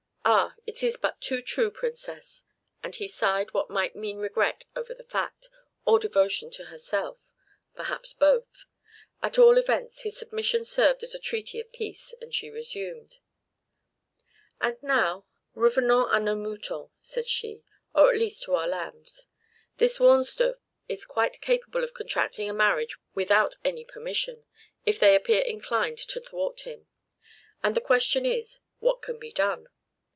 "Ah! it is but too true, Princess;" and he sighed what might mean regret over the fact, or devotion to herself, perhaps both. At all events, his submission served as a treaty of peace, and she resumed. "And now, revenons à nos moutons," said she, "or at least to our lambs. This Wahnsdorf is quite capable of contracting a marriage without any permission, if they appear inclined to thwart him; and the question is, What can be done?